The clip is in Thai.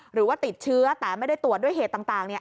หรือว่าติดเชื้อแต่ไม่ได้ตรวจด้วยเหตุต่าง